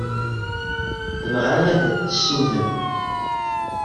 Tebɣa ad t-tessuden.